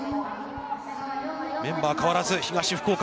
メンバー代わらず東福岡。